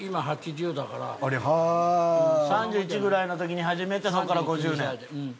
３１ぐらいの時に始めてそこから５０年。